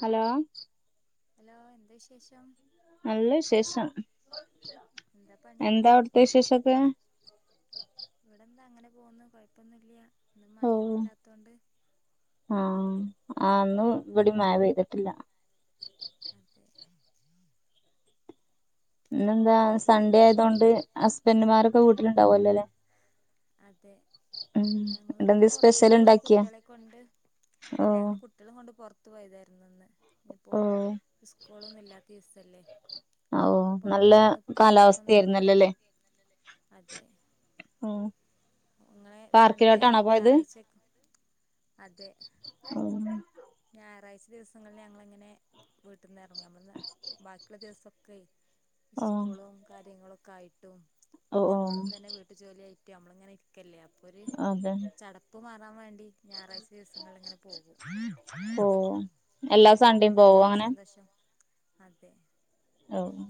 Hello hello എന്ത വിശേഷം നല്ല വിശേഷം എന്താ പണി എന്താ അവ്ട്ത്തെ വിശേഷൊക്കെ ഇവിടെന്താ അങ്ങനെ പോകുന്നു കുഴപ്പൊന്നുയില്യ ഇന്ന് ഓ മഴയൊന്നും ഇല്ലാത്തോണ്ട് ആഹ് ആന്ന് ഇവിടി മഴ പെയ്തിട്ടില്ല അതെ ഇന്നെന്താ സൺഡേ മഴയില്ലാഞ്ഞാ ആയതൊണ്ട് ഹസ്ബൻഡുമാരൊക്കെ വീട്ടിലുണ്ടാവുല്ലേലെ അതെ ഞങ്ങിളിങ്ങനെ ഇന്നെന്തേ പുറത്തക്കേ സ്പെഷ്യൽ പോയി ഇണ്ടാക്കിയോ കുട്ട്യാളെ കൊണ്ട് അല്ല ഓഹ് ഞങ്ങള് കുട്ട് കുട്ട്യാളി കൊണ്ട് പൊർത്ത് പോയതായ്രുന്നു ഇന്ന് ഇന്നുപ്പോ ഓഹ് സ്കൂളൊന്നും ഇല്ലാത്ത ദിവസല്ലേ ഓ ഇപ്പൊ നല്ല പൊറത്തൊക്കെഒന്ന് കുട്ട്യാളെ ഒക്കെന്ന് കൊണ്ടോയി കാലാവസ്ഥയായിരുന്നല്ലോല്ലേ അതെ ഓഹ് ഇങ്ങളെ സൺഡേ ഞായറാഴ്ച ഒക്കെ അതെ [unintelligible] ഞായറാഴ്ച ദിവസങ്ങളില് ഞങ്ങളങ്ങനെ വീട്ടിന്ന് എറങ്ങും നമ്മള് ന്ന ബാക്കിള്ള ദിവസൊക്കെയ് സ്കൂളും കാര്യങ്ങളൊക്കെ ആയിട്ടും ഓ ഓ ഞമ്മളും തന്നെ വീട്ടു ജോലിആയിറ്റ് അമ്മളങ്ങനെ ഇരിക്ക ഇരിക്കല്ലേ അപ്പൊ ഒരു അതെ ചടപ്പ് മാറാൻ വേണ്ടി ഞായറാഴ്ച ദിവസങ്ങൾല് ഇങ്ങനെ പോകും ഓഹ് പിന്നെ എല്ലാ കുട്ടികൾക്കും സണ്ടിം പോവോ തന്നെ ഒരു അങ്ങനെ സന്തോഷം അതെ ഓഹ്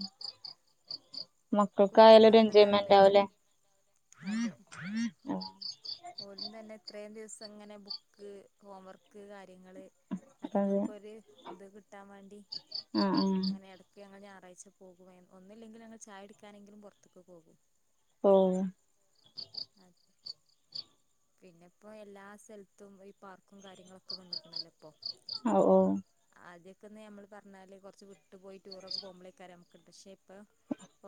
കുട്ടികൾക്ക് മക്കൾക്കായാലൊരു നല്ല എൻജോയ്മെന്റ് താല്പര്യവും ആവുല്ലെ അതെ ഓലും തന്നെ ഇത്രയും ദിവസങ്ങനെ ബുക്ക് കോവർക്ക് കാര്യങ്ങള് അതെ അതിനന്നൊക്കൊരു ഇത് കിട്ടാൻ വെണ്ടി ആഹ് ആഹ് അങ്ങനെ എട്ക്ക് ക്ക് ഞങ്ങൾ ഞായറാഴ്ച പോകും. എ ഒന്നില്ലെങ്കിൽ ഞങ്ങൾ ചായുടിക്കാനെങ്കിലും പൊറ്ത്ത്ക്ക് പോകും. ഓഹ് അ പിന്നെപ്പം എല്ലാ സെല്ത്തും ഈ പാർക്കും കാര്യങ്ങളൊക്കെ വന്ന്ക്കണല്ലൊപ്പം. ഒ ഓഹ് ആദ്യൊക്കെന്ന് നമ്മള് പറഞ്ഞാല് കൊറ്ച്ച് വിട്ട് പോയി ടൂറൊക്കെ പോകുമ്പളയ്ക്കാര നമുക്ക്ട്ട. പക്ഷെ ഇപ്പം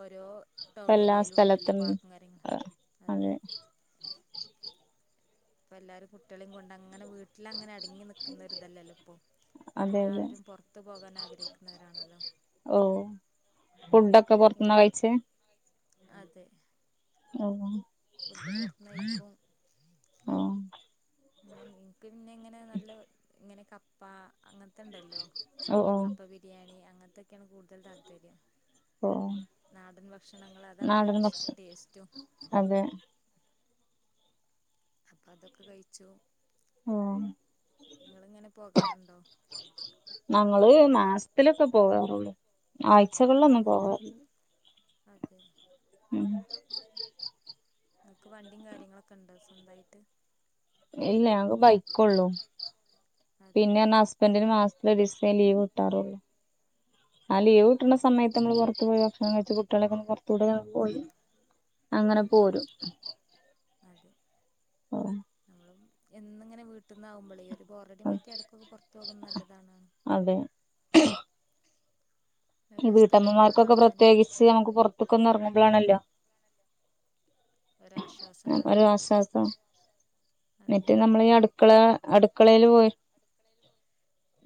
ഓരോ ഇപ്പ എല്ലാ ടൗണേരിയയിലുണ്ടല്ലോ സ്ഥലത്തും പാർക്കു കാര്യങ്ങള് അതെ അതെ. ഇപ്പല്ലാരു കുട്ട്യെളിം കൊണ്ടങ്ങനെ വീട്ടിലങ്ങനെ അടങ്ങിനിക്കുന്ന ഒരിതല്ലല്ലൊ ഇപ്പം. അതെ അതെ ഇപ്പെല്ലാവരും പൊറ്ത്തു പോകാൻ ആഗ്രഹിക്കുന്നവരാണല്ലൊ. ഓഹ് ഫുഡൊക്കെ പൊറ്ത്ത്ന്ന നിങ്ങളും കഴിച്ചെ? അതെ. ഓഹ് ഫുഡ് പൊറ്ത്ത്ന്ന് കയിക്കും. ഓ ഞാൻ ഇൻക്ക് പിന്നെ ഇങ്ങനെ നല്ലെ ഹ് ഇങ്ങനെ കപ്പ അങ്ങ ത്ത്ണ്ടല്ലോ ഓ ഓ കപ്പ ബിരിയാണി അങ്ങൻത്തൊക്കേണ് കൂടുതൽ താല്പര്യം. ഓ നാടൻ ഭക്ഷണങ്ങൾ അതാണല്ലൊ നാടൻ ഭക്ഷണം ടേസ്റ്റും. അതെ. അപ്പ അതൊക്കെ കഴിച്ചു. ഓ ഇങ്ങള് ഇങ്ങനെ പോകാറുണ്ടോ? ഞങ്ങള് മാസത്തിലൊക്കെ പോവാറൊള്ളു. ആ അതെ അതെ ഉം ഇങ്ങക്ക് വണ്ടിം കാര്യങ്ങളൊക്ക്ണ്ടോ സ്വന്തായിട്ട്? ഇല്ല ഞങ്ങ്ക്ക് ബൈക്കൊള്ളു. അതെ പിന്നേർന്ന അസ് ബൻ്റിന് മാസ്ത്തിലൊരീസെ ലീവ് കിട്ടാറൊള്ളൂ. ആ അതെ ലീവ് കിട്ട്ണ സ് സമയത്ത് നമ്മൾ പൊറത്ത് പോയി ഭക്ഷണം കഴിച്ച് കുട്ട്യാളെക്കൊന്ന് പൊറ്ത്തൂടെ നടന്ന് പോയി. അങ്ങനെ അതെ പോരും അതെ നമ്മളും എന്നും ഇങ്ങനെ വീട്ടീന്നാവുമ്പളേ ഒരു ബോററെടി മാറ്റി എട്ക്കൊക്കെ പൊറ്ത്തോകുന്നല്ലതാണാണും. അതെ. ഈ ഓരോ സ്ഥലങ്ങൾ വീട്ടമ്മമാർക്കൊക്കെ കാണാനും പ്രത്യേകിച്ച് നമുക്ക് പൊറ്ത്ത് ക്കൊന്നറങ്ങുമ്പളാണല്ലൊ. ഒരാശ്വാസം ഉണ്ടാവുക ഒരാസ്വാസം അതെ മറ്റേ നമ്മളീ അടുക്കള അടു ക്കളേല് പോയി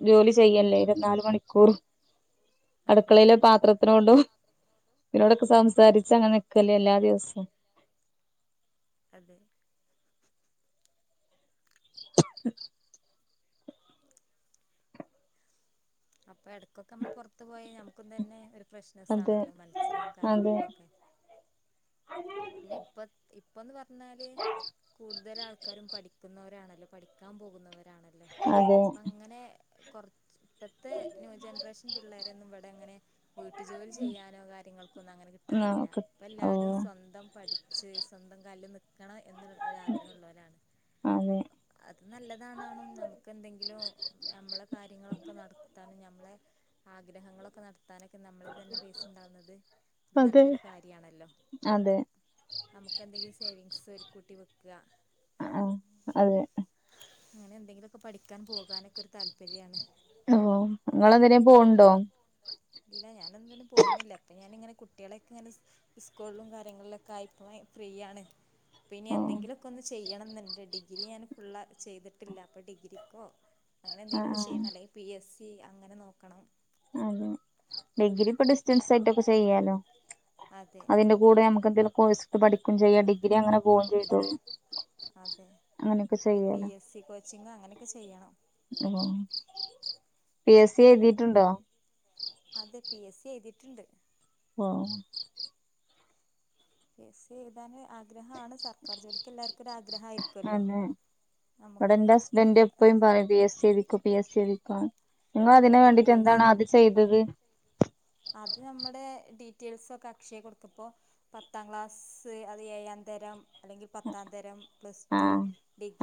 ജോലി ചെയ്യല്ലെ ഇര്ത്ത്ന്നാല് മണിക്കൂറും. അതെ അടുക്കളേലെ പാത്രത്തിനോടും ഇതിനോടൊക്കെ സംസാരിച്ചങ്ങനെ നിക്കല്ലെ എല്ലാ ദിവസം. അതെ. അപ്പെ എട്ക്കൊക്കമ്മൾ പൊറ്ത്തു പോയ നമുക്കും തന്നെ ഒരു അതെ ഫ്രഷ്നസ്സാണല്ലോ മനസ്സിനും അതെ കാര്യങ്ങൾക്കൊക്കെ. പിന്നെപ്പത് ഇപ്പന്ന് പറ്ഞ്ഞാല് കൂടുതല് ആൾക്കാരും പഠിക്കുന്നവരാണല്ലൊ പഠിക്കാൻ പോകുന്നവരാണ ല്ലോ അതെ ഇപ്പങ്ങനെ കൊറ്ച്ച് ഇപ്പത്തെ ന്യൂ ജനറേഷൻ പിള്ളേരെന്നും പ ഇപ്പെങ്ങനെ വീട്ടുജോലി ചെയ്യാനോ കാര്യങ്ങൾക്കൊന്നു അങ്ങനെ കിട്ടാറില്ല. ഓക്കെ ഓ ഇപ്പെല്ലാരു സ്വൻ പഠിച്ച് സ്വന്തം കാൽല് നിക്കണം എന്നുൾ ഒരാഗ്രഹള്ളോലാണ്. അതെ അത് നല്ലതാണാണും നമുക്കെന്തെങ്കിലു നമ്മളെ കാര്യങ്ങളൊക്കെ നടത്താനും ഞമ്ളെ ആഗ്രഹങ്ങളൊക്കെ നടത്താനൊക്കെ നമ്ളീ തന്നെ പെയ്സുണ്ടാവ്ണത് ഇത് അതെ നല്ലൊരു കാര്യാണല്ലോ. അതെ നമുക്കെന്തെങ്കിലു സേവിങ്സ് ഒരു കൂട്ടി വെക്ക ആഹ് ആ അതെ. അങ്ങനെന്തെങ്കിലൊക്കെ പഠിക്കാൻ പോകാനൊക്കൊരു താൽ പര്യാണ് ഓ നിങ്ങളെന്തിനേം പോണുണ്ടോ ഇങ്ങളെന്തിനേ പോവ്ണ്ടോ? ഇല്ല ഞാ നൊന്നിനും പോകുന്നില്ല അപ്പ ഞാനിങ്ങനെ കുട്ടിയളേയൊക്കെങ്ങനെ സ്കൂളിലും കാര്യങ്ങളിലൊക്കെ ളിലൊക്കെ ആയപ്പോളെ ഫ്രീയാണ് പിന്നെ ഓ എന്തെങ്കിലൊക്കെ ഒന്ന് ചെ ചെയ്യണംന്ന്ണ്ട് ഡിഗ്രി ഞാൻ ഫുള്ള് ചെയ്തിട്ടില്ല അപ്പോ ഡിഗ്രിക്കോ അങ്ങനെ ആ എന്തെങ്കിലൊക്കെ ആ ചെയ്യണം അല്ലെങ്കിൽ പി എസ് സി അങ്ങനെ നോക്കണം അതെ ഡിഗ്രിപ്പൊ ഡിസ്റ്റൻസായിട്ടൊക്കെ ചെയ്യാലോ അതെ അതിന്റെ കൂ ടെ നമ്മക്ക് എന്തേലും കോഴ്സ്ട്ത്ത് പഠിക്കും ചെയ്യാം ഡിഗ്രി അങ്ങനെ പോകും ചെയ്തോളും അതെ അങ്ങനെയൊക്കെ പിന്നെ പി ചെയ്യാലോ എസ് സി കോച്ചിംഗ് അങ്ങനെക്കെ ചെയ്യണം ആഹ് പി. എസ്. സി എഴുതിയിട്ടുണ്ടോ? അതെ പി എസ് സി എഴ്തിട്ട്ണ്ട് ഓഹ് പി. എസ്. സി എഴുതാന് ആഗ്രഹാണ് സർക്കാർ ജോലി ക്ക് എല്ലാർക്കും ഒരാഗ്രഹായിരിക്കുവല്ലോ അതെ ഇവിടെ നമക്ക് എന്റെ ഹസ്ബൻഡ് എപ്പഴും പറയും പി എസ് സി എഴ്തിക്കോ പി എസ് സി എഴ്തിക്കോന്ന് ഇങ്ങള് അതിന് അതെ പി വേണ്ടിട്ട് എസ് എന്താണ് ആദ്യം ചെയ്തത്? അത് നമ്മടെ ഡീറ്റെയിൽസൊക്കെ അക്ഷയി കൊട്ക്ക ഇപ്പൊ പത്താം ക്ലാസ്സ് അല്ലേൽ ഏയാം തരം അല്ലെങ്കി പത്താം തരം പ്ലസ് ടു, ആഹ്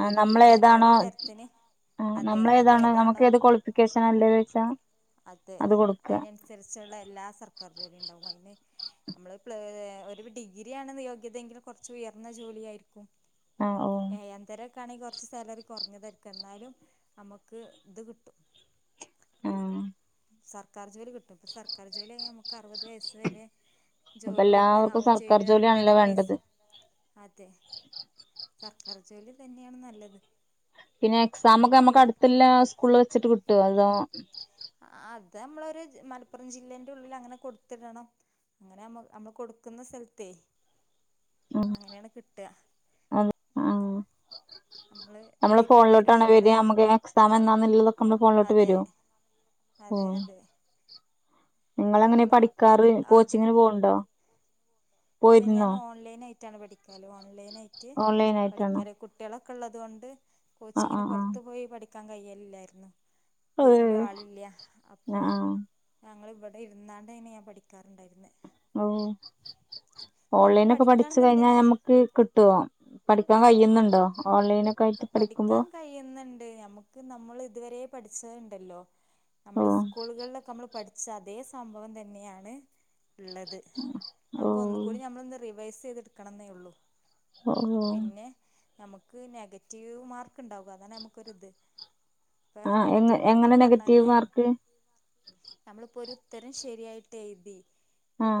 ആഹ് അങ്ങനെ നമ്മളേതാണോ ഓരോ തരത്തിന് അതെ ഞമ്മള് ഏതാണോ എജ്യൂക്കേഷനാ ഇല്ലേ വെച്ചാ അതെ അത് കൊടുക്കുക അയിനനുസരിച്ചുള്ള എല്ലാ സർക്കാർ ജോലിയ്ണ്ടാവും അയിന് നമ്മള് പ്ല ഒരു ഡിഗ്രിയാണ് യോഗ്യതയെങ്കിലി കൊറച്ച് ഉയർന്ന ജോലിയായിരിക്കും ആഹ് ഓ ഏഴാം തരൊക്കാണെങ്കി കൊറച്ച് സാലറി കുറഞ്ഞതായിരിക്കും ഇന്നാലും നമ്മക്ക് ഇത് കിട്ടും ആഹ് സർക്കാർ ജോലി കിട്ടും സർക്കാർ ജോലിയായ നമുക്ക് അറുപത് വയസ് വരെ ഇപ്പൊ ജോലി ഒന്ന് എല്ലാവർക്കും ആവും ചെയ്യും സർക്കാർ പിന്നെ റിട്ടേർഡ് ജോലിയാണല്ലോ ആൻ പൈസ വേണ്ടത് നല്ലതല്ലേ അതെ സർക്കർ ജോലി തന്നെയാണ് നല്ലത് പിന്നെ ഞമ്മൾ എക്സാമൊക്കെ പി ഞമ്മക്ക് അടുത്ത്ല്ലെ സ്കൂളില് വെച്ചിട്ട് കിട്ടുവോ? അതോ? ആഹ് അത് ഞമ്മളൊരു മലപ്പുറം ജില്ലന്റെ ഉള്ളിലങ്ങനെ കൊടുത്തിടണം അങ്ങനെ ഞമ്മ ഞമ്മള് കൊടുക്കുന്ന സ്ഥലത്തേ അങ്ങനെയാണ് കിട്ട [inaudible] നമ്മളെ ഫോണിലോട്ടാണോ വരാ നമ്മളെ നമുക്ക് ഫോണ് എക്സാമെന്നാന്നുള്ളതൊക്കെ നമ്മളെ ഫോണിലോട്ട് അതെ വരോ? അതെ അതെ പിന്നെ ഇങ്ങളെങ്ങനെ നമ്മള് പഠിക്കാറ് ആദ്യം കോച്ചിങ്ങിന് പോണുണ്ടോ? ഇല്ല ഞാൻ ഓൺലൈനായിട്ടാണ് പഠിക്കല് ഓൺലൈനായിട്ട് ഓൺലൈൻ ആയിട്ടാണോ പഠിക്കല് കുട്ടി കുട്ടിയളൊക്കെ ഇള്ളത് കൊണ്ട് ആഹ് കോച്ചിങ്ങിന് ആഹ് പൊറത്ത് ആഹ് പോയി പഠിക്കാൻ കഴിയലില്ലായിരുന്നു വീട്ടിലും ഏഹ് ആളില്ല അപ്പൊ ആഹ് ഞങ്ങളിവിടെ ഇരുന്നാണ്ടേനി ഞാൻ പഠിക്കാറുണ്ടായിരുന്നെ ഓഹ് നമ്മള് ഓൺലൈനൊക്കെ പഠിച്ച് കഴിഞ്ഞാൽ പഠിക്കാണെന്നുണ്ടെങ്കിൽ ഞമ്മക്ക് കിട്ടോ? പഠിക്കാൻ കയ്യ്ന്നുണ്ടോ? ഓൺലൈനൊക്കെ ആയിട്ട് പഠിക്കുമ്പോ കഴ്യ്ന്ന്ണ്ട് ഞമ്മക്ക് നമ്മള് ഇതുവരെ പഠിച്ചത്ണ്ടല്ലോ നമ്മള് ഓഹ് സ്കൂളുകൾലൊക്കെ നമ്മള് പഠിച്ച അതേ സംഭവം തന്നെയാണ് ഇള്ളത് ഒക്കെ ഓഹ് ഒന്നുകൂടി ഞമ്മളൊന്ന് റിവേഴ്സ് ചെയ്ത് ഇട്ക്കണെന്നേ ഒള്ളൂ ഓഹ് പിന്നെ ഞമ്മക്ക് നെഗറ്റീവ് മാർക്ക്ണ്ടാവും അതാ ഞമ്മക്കൊരിത് ഇപ്പൊ ആഹ് എങ്ങ നെഗറ്റീവ് മാർക്ക് എങ്ങനെ എന്ന് നെഗറ്റീവ് പറഞ്ഞാല് മാർക്ക് നമ്മളിപ്പൊരുത്തരം ശരിയായിട്ട് എഴുതി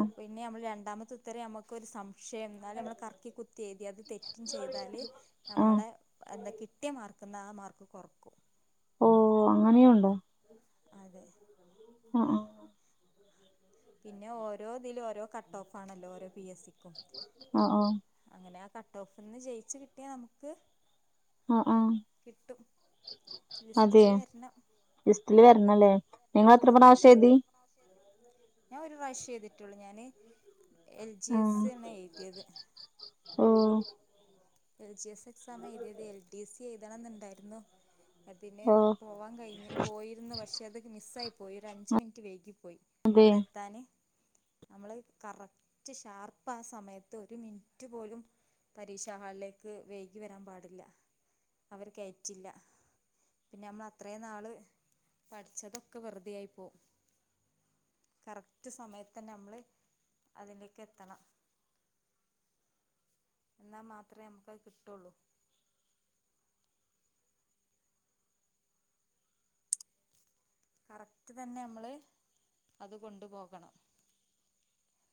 അപ്പ പിന്നെ നമ്മൾ രണ്ടാമത്തെ ഉത്തരം ഞമ്മക്കൊരു സംശയം എന്നാലും ഞമ്മള് കറക്കി കുത്തി എഴുതി അത് തെറ്റും ചെയ്താല് ആഹ് ഞമ്മളെ- എന്താ കിട്ടിയ മാർക്കീന്ന് ആ മാർക്ക് കൊറക്കും ഓഹ് അങ്ങനെയുണ്ടോ അതെ ആഹ് ആഹ് പിന്നെ ഓരോതിലും ഓരോ കട്ടോഫാണല്ലോ ഓരോ പി എസിക്കും ആ ആ അങ്ങനെ ആ കട്ടോഓഫ്ന്ന് ജയ്ച്ച് കിട്ടിയാ നമുക്ക് ആ ആ കിട്ടും അതെ ലിസ്റ്റില് വെരണം ലിസ്റ്റില് വരണല്ലേ നിങ്ങ എത്ര പ്രാവശ്യം എഴുതി നാല് ഞാൻ ഒരു പ്രാശ്രേ എഴതിട്ടൊള്ളൂ ഞാന് എൽ ജി എസാണ് എഴുതിയത് ഓഹ് എൽ ജി സ് എക്സാമായെഴുതിയത് എൽ ഡി സി എഴുതണംന്നുണ്ടാരുന്നു അതിന് ഓ പോവാൻ കഴിഞ്ഞ് പോയിരുന്നു പക്ഷേ അത് മിസ്സായിപ്പോയി ഒരു അഞ്ച് മിനിറ്റ് വൈകിപ്പോയി അതെ അവിടെത്താന് നമ്മള് കറക്റ്റ് ഷാർപ്പാ സമയത്ത് ഒരു മിനിറ്റ് പോലും പരീക്ഷ- ഹാളിലേക്ക് വൈകി വരാൻ പാടില്ല അവര് കേറ്റില്ലാ പിന്നെ അമ്മള് അത്രേ നാള് പഠിച്ചതൊക്കെ വെറുതെയായി പോവും കറക്റ്റ് സമയത്തന്നെ അമ്മള് അതിലേക്ക് എത്തണം എന്നാ മാത്രേ അമ്മുക്കത് കിട്ടുള്ളൂ കറക്റ്റ് തന്നെ അമ്മള് അത് കൊണ്ട്പോകണം